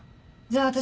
じゃあ私